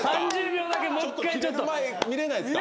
ちょっとキレる前見れないっすか？